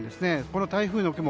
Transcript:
この台風の雲